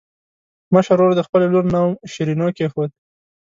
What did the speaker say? مشر ورور د خپلې لور نوم شیرینو کېښود.